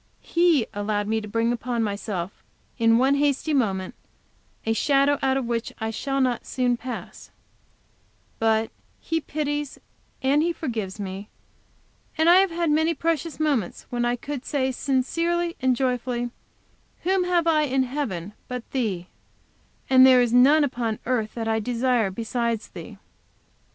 He allowed me to bring upon myself, in one hasty moment, a shadow out of which I shall not soon pass, but He pities and He forgives me, and I have had many precious moments when I could say sincerely and joyfully, "Whom have I in heaven but Thee, and there is none upon earth that I desire besides Thee."